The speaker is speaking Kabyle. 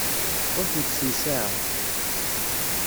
Ur tent-ssewsaɛeɣ.